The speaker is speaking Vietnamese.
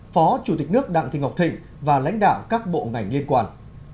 phó chủ tịch nước đặng thị ngọc thịnh và lãnh đạo các bộ ngành liên quan